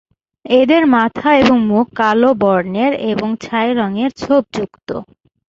এদের মাথা এবং মুখ কালো বর্ণের এবং ছাই রঙের ছোপ যুক্ত।